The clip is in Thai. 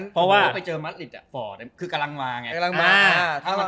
เพราะว่าเจอมัดฤทธิ์กำลังมาไง